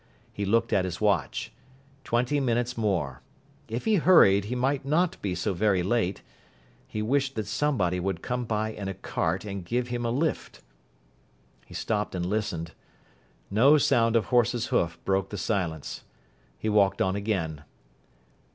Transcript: He looked at his watch. Twenty minutes more. If he hurried, he might not be so very late. He wished that somebody would come by in a cart, and give him a lift. He stopped and listened. No sound of horse's hoof broke the silence. He walked on again.